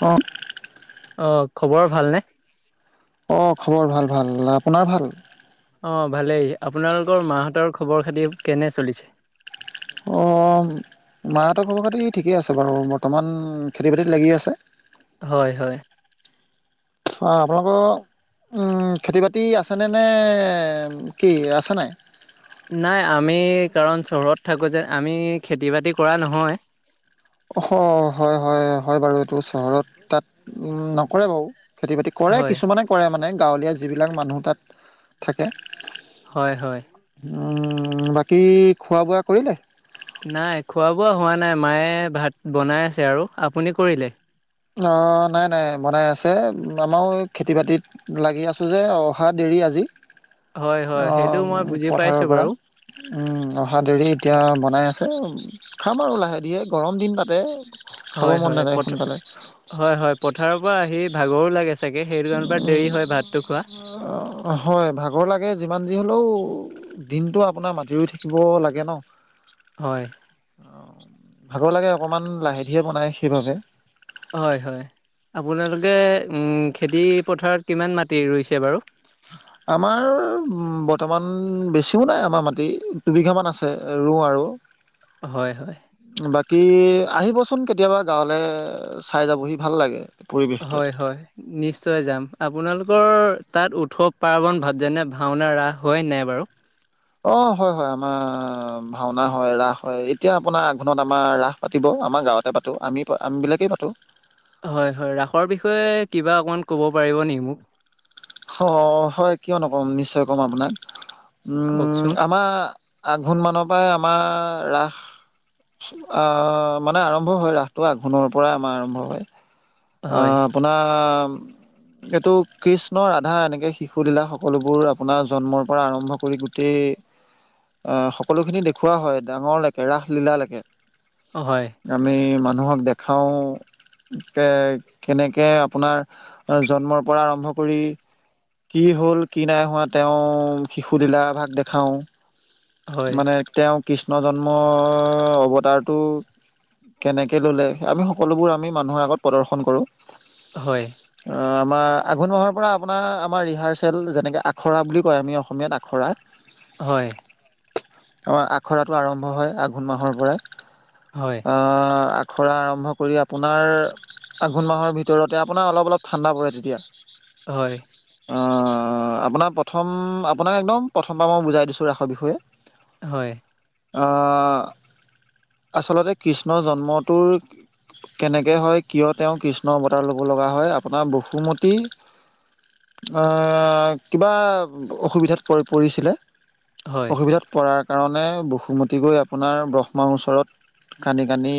অ'। অ', খবৰ ভালনে? অ', খবৰ ভাল ভাল, আপোনাৰ ভাল? অ', ভালেই, আপোনালোকৰ মাহঁতৰ খবৰ খাতি কেনে চলিছে? অ', মাহঁতৰ খবৰ খাতি ঠিকেই আছে বাৰু বৰ্তমান খেতি বাতিত লাগি আছে। হয়, হয়। আপোনালোকৰ খেতি বাতি আছেনে নে কি আছে নাই? নাই আমি কাৰণ চহৰত থাকো যে আমি খেতি বাতি কৰা নহয়। অহ হয়, হয়, হয় বাৰু এইটো চহৰত তাত নকৰে বাৰু। খেতি বাতি কৰে হয় কিছুমানে কৰে মানে গাঁৱলীয়া যিবিলাক মানুহ তাত থাকে। হয়, হয়। বাকী খোৱা বোৱা কৰিলে? নাই খোৱা বোৱা হোৱা নাই মায়ে ভাত বনাই আছে আৰু, আপুনি কৰিলে? অ', নাই নাই বনাই আছে। আমাৰো খেতি বাতিত লাগি আছে যে অহা দেৰি আজি হয় হয় সেইটো অ' মই বুজি পাইছো পথাৰৰ পৰা। বাৰু উম, অহা দেৰি এতিয়া বনাই আছে খাম আৰু লাহে ধিৰে গৰম দিন তাতে। খাব হয় মন হয় নাযায় পথ সোনকালে। হয়, হয় পথাৰৰ পৰা আহি ভাগৰো লাগে চাগে সেইটো কাৰণ উম, দেৰি হয় ভাতটো খোৱা। হয়, ভাগৰ লাগে যিমান যি হ'লেও দিনতটো আপোনাৰ মাটি ৰুই থাকিব লাগে ন। হয়। ভাগৰ লাগে অকণমান লাহে ধিৰে বনায় সেইবাবে। হয়, হয়, আপোনালোকে উম খেতি পথাৰত কিমান মাটি ৰুইছে বাৰু? আমাৰ বৰ্তমান বেছিও নাই আমাৰ মাটি দুবিঘামান আছে। ৰোওঁ আৰু। হয়, হয়। বাকী আহিবচোন কেতিয়াবা গাঁৱলে চাই যাবহি ভাল লাগে। পৰিৱেশটো। হয়, হয়। নিশ্চয় যাম, আপোনালোকৰ তাত উৎসৱ পাৰ্বণ ভাৱ যেনে ভাওনা ৰাস হয় নাই বাৰু? অ', হয়, হয় আমাৰ ভাওনা হয় ৰাস হয়। এতিয়া আপোনাৰ আঘোণত আমাৰ ৰাস পাতি আমাৰ গাঁৱতে পাতো আমি আমিবিলাকেই পাতো। হয়, হয়, ৰাসৰ বিষয়ে কিবা অকণমান ক'ব পাৰিব নেকি মোক? অ', হয় কিয় নকম নিশ্চয় কম আপোনাক। উম কওকচোন আমাৰ আঘোণ মানৰ পৰাই আমাৰ ৰাস মানে আৰম্ভ হয় ৰাসটো আঘোণৰ পৰাই আমাৰ আৰম্ভ হয়। হয় আহ আপোনাৰ এইটো কৃষ্ণ ৰাধা এনেকে শিশু লীলা সকলোবোৰ আপোনাৰ জন্মৰ পৰা আৰম্ভ কৰি গোটেই সকলোখিনি দেখুওৱা হয়, ডাঙৰলৈকে ৰাস লীলালৈকে। অ', হয়। আমি মানুহক দেখাওঁ তে কেনেকে আপোনাৰ জন্মৰ পৰা আৰম্ভ কৰি কি হ'ল কি নাই হোৱা তেওঁ শিশু লীলা ভাগ দেখাওঁ। হয় মানে তেওঁ কৃষ্ণ জন্মৰ অৱতাৰটো কেনেকে ল'লে, আমি সকলোবোৰ আমি মানুহৰ আগত প্ৰদৰ্শন কৰো। হয়। অ', আমাৰ আঘোণ মাহৰ পৰা আপোনাৰ আমাৰ ৰিহাৰচেল যেনেকে আখৰা বুলি কয় আমি অসমীয়াত আখৰা। হয়। অ', আখৰাটো আৰম্ভ হয় আঘোণ মাহৰ পৰাই। হয়। আখৰা আৰম্ভ কৰি আপোনাৰ আঘোণ মাহৰ ভিতৰতে আপোনাৰ অলপ অলপ ঠাণ্ডা পৰে তেতিয়া। হয়। অ', আপোনাক প্ৰথম আপোনাক একদম প্ৰথমবাৰৰ পৰা বুজাই দিছো ৰাসৰ বিষয়ে। হয়। অ', আচলতে কৃষ্ণ জন্মটোৰ কেনেকৈ হয় কিয় তেওঁ কৃষ্ণৰ অৱতাৰ ল'ব লগা হয়, আপোনাৰ বসুমতী অ', কিবা অসুবিধাত পৰি-পৰিছিলে। হয় অসুবিধাত পৰাৰ কাৰণে বসুমতী গৈ আপোনাৰ ব্ৰহ্মাৰ ওচৰত কান্দি কান্দি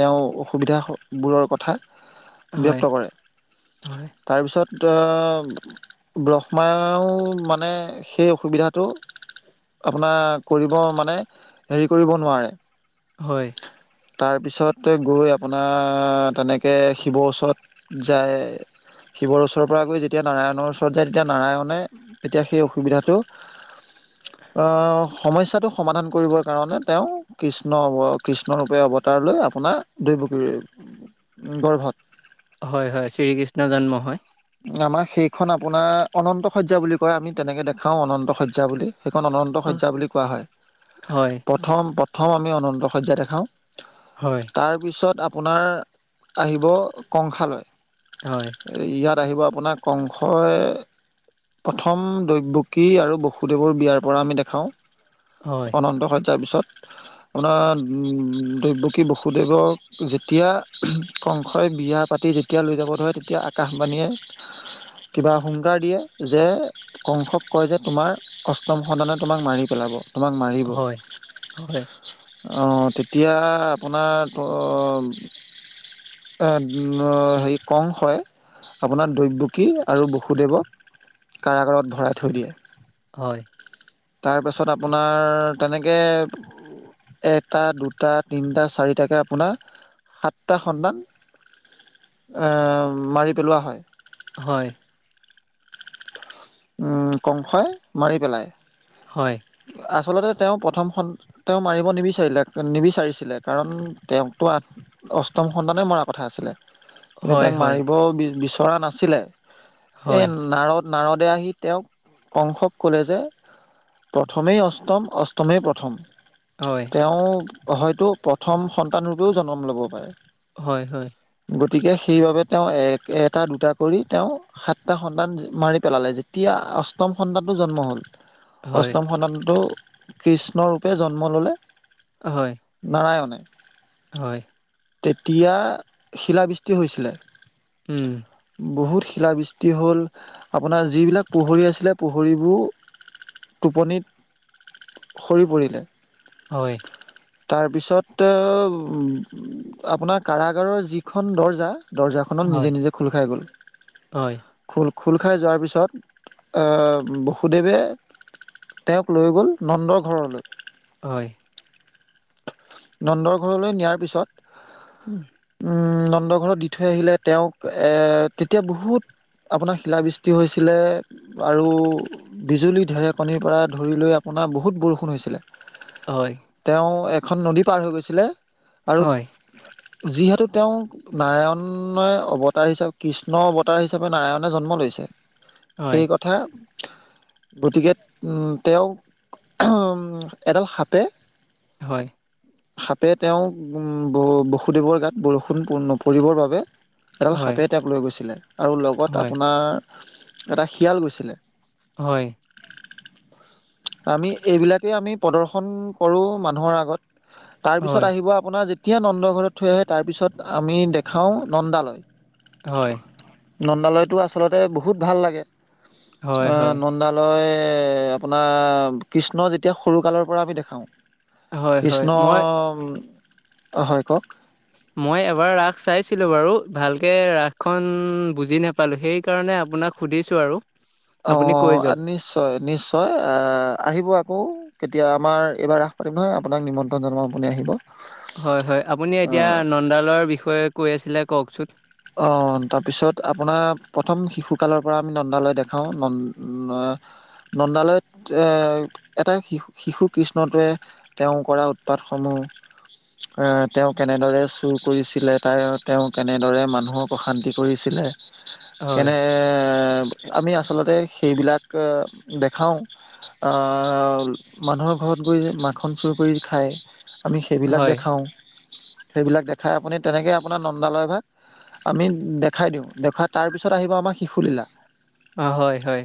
তেওঁ অসুবিধা বোৰৰ কথা হয় ব্যক্ত কৰে। তাৰপিছত অ' ব্ৰহ্মাওঁ মানে সেই অসুবিধাটো আপোনাৰ কৰিব মানে হেৰি কৰিব নোৱাৰে। হয়। তাৰ পিছতে গৈ আপোনাৰ তেনেকৈ শিৱৰ ওচৰত যায়। শিৱৰ ওচৰৰ পৰা গৈ যেতিয়া নাৰায়ণৰ ওচৰত যায়। তেতিয়া নাৰায়ণে তেতিয়া সেই অসুবিধাটো [inaudible] অ', সমস্যাটো সমাধান কৰিবৰ কাৰণে তেওঁ কৃষ্ণ অৱ কৃষ্ণ ৰূপে অৱতাৰ লৈ আপোনাৰ দৈৱকীৰ উম গৰ্ভত হয়, হয়, শ্ৰীকৃষ্ণ জন্ম হয়। আমাৰ সেইখন আপোনাৰ অনন্ত সজ্যা বুলি কয় আমি তেনেকে দেখাওঁ অনন্ত সজ্যা বুলি। সেইখন অনন্ত অহ, সজ্যা বুলি কোৱা হয়। প্ৰথম প্ৰথম আমি অনন্ত সজ্যা দেখাওঁ। হয়। তাৰপিছত আপোনাৰ আহিব কংসালয় হয় ইয়াত আহিব আপোনাৰ কংসই প্ৰথম দৈবকী আৰু বসুদেৱৰ বিয়াৰ পৰা আমি দেখাওঁ হয় অনন্ত সজজাৰ পিছত, আপোনাৰ দৈৱকী বসুদেৱক যেতিয়া কংসই বিয়া পাতি যেতিয়া লৈ যাব ধৰে তেতিয়া আকাশবাণীয়ে কিবা হুংকাৰ দিয়ে যে কংসক কয় যে তোমাৰ অষ্টম সধানে তোমাক মাৰি পেলাব তোমাক মাৰিব অ', হয় হয় তেতিয়া আপোনাৰ হেৰি কং হয় আপোনাৰ দৈৱ্যকী আৰু বসুদেৱক কাৰাগাৰত ভৰাই থৈ দিয়ে। হয় তাৰপিছত আপোনাৰ তেনেকে এটা, দুটা, তিনিটা চাৰিটাকে আপোনাৰ সাতটা সন্তান আ, মাৰি পেলোৱা হয়। হয় উম, কংসই মাৰি পেলাই। হয় আচলতে তেওঁ প্ৰথমখন তেওঁ মাৰিব নিবিচাৰিলে নিবিচাৰিছিলে কাৰণ তেওঁকতো অষ্টম সন্তানে মৰা কথা আছিলে কিন্তু হয় তেওঁক হয় হয় মাৰিব বি বিচৰা নাছিলে, এই হয় নাৰদ - নাৰদ তে আহি তেওঁক কংসক ক'লে যে প্ৰথমেই অষ্টম অষ্টমেই প্ৰথম হয় তেওঁ হয়তো প্ৰথম সন্তানৰূপেও জন্ম ল'ব পাৰে হয়, হয় গতিকে সেইবাবে তেওঁ এক এটা দুটা কৰি তেওঁ সাতটা সন্তান মাৰি পেলালে যেতিয়া অষ্টম সন্তানটো জন্ম হ'ল হয় অষ্টম সন্তানটো কৃষ্ণ ৰূপে জন্ম ল'লে হয় নাৰায়নে হয় তেতিয়া শিলাবৃষ্টি হৈছিলে উম, বহুত শিলাবৃষ্টি হ'ল আপোনাৰ যিবিলাক পোহুৰী আছিলে পোহৰিবোৰ টোপনিত সৰি পৰিলে হয় তাৰপিছত আপোনাৰ কাৰাগাৰৰ যিখন দৰ্জা দৰ্জা খনত নিজে নিজে খোল খাই গ'ল খোল - খোল খাই যোৱাৰ পিছত আ, বসুদেৱে তেওঁক লৈ গ'ল নন্দ ঘৰলৈ হয় নন্দৰ ঘৰলৈ নিয়াৰ পিছত উম, উম, নন্দ ঘৰত দি থৈ আহিলে তেওঁক এ তেতিয়া বহুত আপোনাৰ খিলাবৃষ্টি হৈছিলে আৰু বিজুলী ঢেৰেকণীৰ পৰা ধৰি লৈ আপোনাৰ বহুত বৰষুণ হৈছিলে হয় তেওঁ এখন নদী পাৰ হৈ গৈছিলে আৰু যিহেতু তেওঁ নাৰায়ণে অৱতাৰ হিচাপে কৃষ্ণ অৱতাৰ হিচাপে নাৰায়ণ জন্ম লৈছে সেই কথা গতিকে তেওঁ এডাল হাপে হয় সাপে তেওঁ বসুদেৱৰ গাত বৰষুণ নপৰিবৰ বাবে এডাল সাপে তপ লৈ গৈছিলে আৰু লগত আপোনাৰ এটা শিয়াল গৈছিলে হয় আমি এইবিলাকেই আমি প্ৰদৰ্শন কৰোঁ মানুহৰ আগত তাৰপিছত আহিব আপোনাৰ এতিয়া নন্দ ঘৰত থৈ আহে তাৰপিছত আমি দেখাওঁ নন্দালয় হয় নন্দালয়তটো আচলতে বহুত ভাল লে হয়, হয়, আপোনালৈ আপোনাৰ কৃষ্ণ যেতিয়া সৰুকালৰ পৰা আমি দেখাওঁ হয়, হয়, হয়। কৃষ্ণ মই হয় কওক মই এবাৰ ৰাস চাইছিলো বাৰু ভালকে ৰাস খন বুজি নাপ পালোঁ সেইকাৰণে আপোনাক সুধিছোঁ আৰু অ আপুনি কৈ যাওক। নিশ্চয় নিশ্চয় আহ আহিব আকৌ কেতিয়া আমাৰ এইবাৰ ৰাস পাতিম নহয় আপোনাক নিমন্ত্ৰণ জনাবপুনি আহিব হয় হয় আপুনি এতিয়া নন্দালৰ বিষয়ে কৈ আছিলে কওকচোন অ তাৰপিছত আপোনাৰ প্ৰথম শিশু কালৰ পৰা আমি নন্দালৈ দেখাও ন নন্দালয়ত এটা শিু শিশু কৃষ্ণটোৱে তেওঁ কৰা উৎপাতসমূহ আহ তেওঁ কেনেদৰে চুৰ কৰিছিলে তাই তেওঁ কেনেদৰে মানু মানুহক অশান্তি কৰিছিলে হয়, কেনে আমি আচলতে সেইবিলাক দেখাওঁ মানুহৰ ঘৰত গৈ মাখন চুৰ কৰি খায় আমি সেইবিলাক হয়, দেখাওঁ সেইবিলাক দেখাই আপুনি তেনেকে আপোনাৰ নন্দালয় ভাগ আমি দেখাই দিওঁ দেখুৱাই তাৰপিছত আহিব আমাৰ শিশুলীলা অ হয় হয়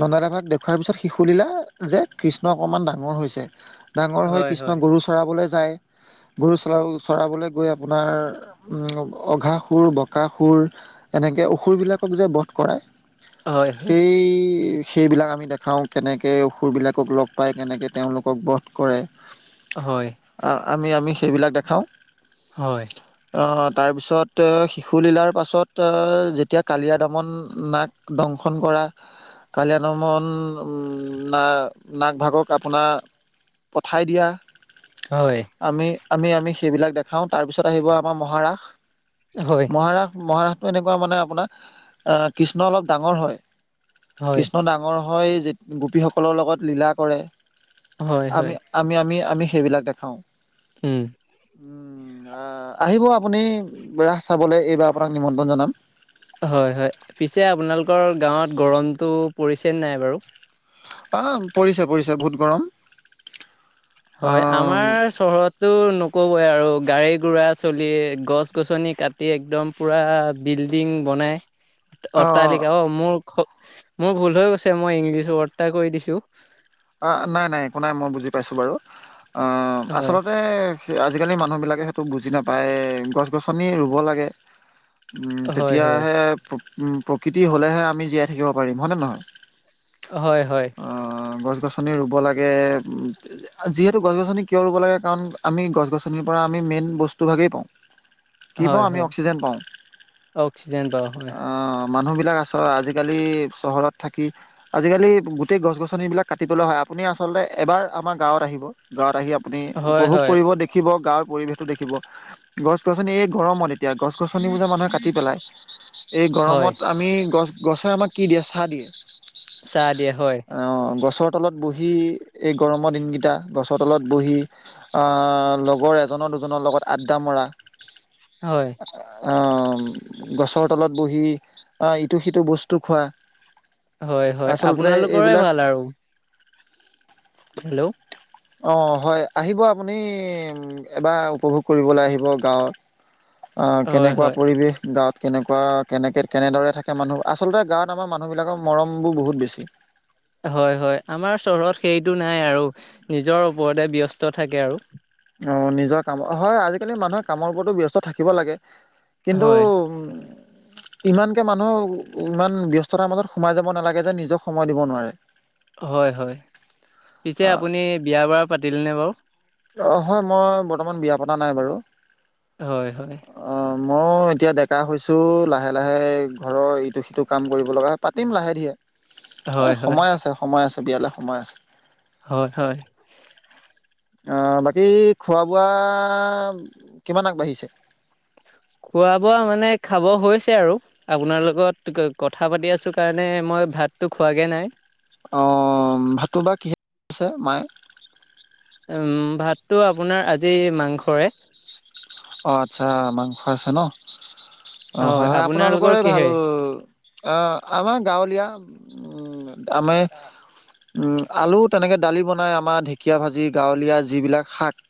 নন্দালাভাগ দেখুুৱাৰ পিছত শিশুলীলা যে কৃষ্ণ অকণমান ডাঙৰ হৈছে ডাঙৰ হৈ হয়, কৃষ্ণ হয়, গৰু চৰাবলৈ যায় গৰু চৰা চৰাবলৈ গৈ আপোনাৰ অঘা সুৰ বকা সুৰ এনেকৈ অসুৰবিলাকক যে বধ কৰায় হয়, হয়, সেই সেইবিলাক আমি দেখাওঁ কেনেকে অসুৰবিলাকক লগ পায় কেনেকে তেওঁলোকক বধ কৰে। হয় আমি আমি সেইবিলাক দেখাওঁ। হয় তহঁত তাৰপিছত শিশু লীলাৰ পাছত যেতিয়া কালিয়া দমন নাক দংশন কৰা কালিয়াদমন না নাগভাগক আপোনাৰ পঠাই দিয়া। হয়, আমি আমি আমি সেইবিলাক দেখাওঁ তাৰপিছত আহিব আমাৰ মহাৰাশ। হয় মহাৰাস মহাৰাসটো এনেকুৱা মানে আপোনাৰ আ কৃষ্ণ অলপ ডাঙৰ হয়। হয়, কৃষ্ণ ডাঙৰ হৈ গোপীসকলৰ লগত লীলা কৰে, হয়, হয়। আমি আমি আমি আমি সেইবিলাক দেখাওঁ। উম উম। আহিব আপুনি ৰাস চাবলৈ। এইবাৰ আপোনাক নিমন্ত্ৰণ জনাম। হয়, হয়। পিছে আপোনালোকৰ গাঁৱত গৰমটো পৰিছেনে নাই বাৰু? তাম। পৰিছে পৰিছে বহুত গৰম। হয়। আহ আমাৰ চহৰত টো নকবই আৰু গাড়ী-গুৰা চলি, গছ-গছনি কাটি একদম পুৰা বিল্ডিং বনে অট্টালিকা অ', মোৰ মোৰ ভুল হৈ গৈছে। মই ইংলিছ ৱৰ্ড এটা কৈ দিছোঁ। অ, নাই। নাই। একো নাই। মই বুজি পাইছোঁ বাৰু। হয় আচলতে আজিকালি মানুহ বিলাকে সেটো বুজি নাপায়। গছ-গছনি ৰুব লাগে। উম, হয় হয় তেতিয়াহে প উম প্ৰকৃতি হ'লেহে আমি জীয়াই থাকিব পাৰিম। হয়নে নহয়? হয়, হয়। অ, গছ-গছনি ৰুব লাগে। যিহেতু গছ-গছনি কিয় ৰুব লাগে, কাৰণ আমি গছ-গছনিৰ পৰা আমি মেইন বস্তু ভাগেই পাওঁ। কি পাওঁ? হয় আমি হয় অক্সিজেন পাওঁ। অক্সিজেন পাওঁ হয়। আ মানুহ বিলাক আছ আজিকালি চহৰত থাকি, আজিকালি গোটেই গছ-গছনিবিলাক কাট টিবলে হয়। আপুনি আচলতে এবাৰ আমাৰ গাঁৱত আহিব, গাঁৱত আহি আপুনি হয় উপভোগ হয় কৰিব দে খিব, গাঁৱৰ পৰিৱেশটো দেখিব। গছ-গছনি এই গৰমত এতিয়া, গছ-গছনিবোৰ যে মানুহে কাটি পেলাই। এই হয় গৰমত আমি গছ, গছে আমাক কি দিয়ে? ছাঁ দিয়ে। ছাঁ দিয়ে, হয়। অ, গছৰ তলত বহি এই গৰমৰ দিনকেইটা গছৰ তলত বহি আ, লগৰ এজনৰ দুজনৰ লগত আড্ডা মৰা। হয়। আম, গছৰ তলত বহি অ, ইটো সিটো বস্তু খোৱা। হয়। হয়। আচলতে আপোনালোকৰে এইবিলাক ভাল আৰু। হেল্ল'। অ, হয়। আহিব আপুনি, এবাৰ উপভোগ কৰিবলৈ আহিব গাঁও। আ, হয় কেনেকুৱা হয় পৰিৱেশ। গাঁৱত কেনেকুৱা, কেনেকে কেনেদৰে থাকে মানুহ। আচলতে গাঁৱত আমাৰ মানুহবিলাকৰ মৰমবোৰ বহুত বেছি। হয়। হয়। আমাৰ চহৰত সেইটো নাই আৰু নিজৰ ওপৰতে ব্যস্ত থাকে আৰু। অ, নিজৰ কাম। হয়, আজিকালি মানুহে কামৰ ওপৰতো ব্যস্ত থাকিব লাগে। কিন্তু হয় উ [inaudible] ইমানকে মানুহ, ইমান ব্যস্ততাৰ মাজত সোমাই যাব নালাগে যে নিজক সময় দিব নোৱাৰে। হয়। হয়। পিছে আপুনি বিয়া-বাৰ পাতিলেনে বাৰু? অ, হয়। মই বৰ্তমান বিয়া পতা নাই বাৰু। হয়, হয়। অ, মই এতিয়া ডেকা হৈছোঁ। লাহে-লাহে ঘৰৰ ইটো সিটো কাম কৰিব লগা, পাতিম লাহে-ধিয়ে। এ হয় হয় সময় আছে, সময় আছে, বিয়ালৈ সময় আছে। হয়, হয়। অ' বাকী খোৱা-বোৱা কিমান আগবাঢ়িছে? খোৱা-বোৱা মানে খাব হৈছে আৰু। আপোনাৰ লগত কথা পাতি আছোঁ কাৰণে মই ভাতটো খোৱাগে নাই। অ, ভাতটো বা কিহে চে মায়ে। উম, ভাতটো আপোনাৰ আজি মাংসৰে। অ আচ্ছা। মাংস আছে ন'। অ, হয়। হয়। আপোনালোকৰ আপোনালোকৰে ভাল। কিহেৰে অ, আমাৰ গাঁৱলীয়া। উ, আমে আলু তেনেকৈ দালি বনাই, আমাৰ ঢেঁকীয়া ভাজি গাঁৱলীয়া যিবিলাক শাক।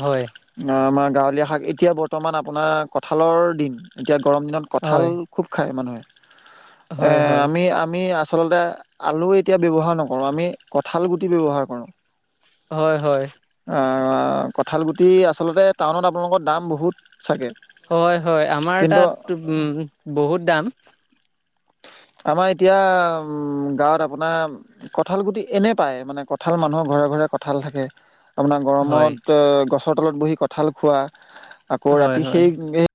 হয়। আমাৰ গাঁৱলীয়া শাক। এতিয়া বৰ্তমান আপোনাৰ কঁঠালৰ দিন। এতিয়া গৰম দিনত কঁঠাল হয় খুব খায় মানুহে। হয় এ হয় আমি আমি আচলতে আলু এতিয়া ব্যৱহাৰ নকৰোঁ। আমি কঁঠাল গুটি ব্যৱহাৰ কৰোঁ। হয় হয়। কঁঠালগুটি আচলতে টাউনত আপোনালোকৰ দাম বহুত চাগে। হয় হয়। আমাৰ কিন্তু তাতটো উম, বহুত দাম। আমাৰ এতিয়া গাঁৱত আপোনাৰ কঁঠাল গুটি এনে পায়। মানে কঁঠাল মানুহৰ ঘৰে ঘৰে কঁঠাল থাকে। আপোনাৰ হয় গৰমতে গছৰ তলত বহি কঁঠাল খোৱা, আকৌ হয় ৰাতি হয় সেই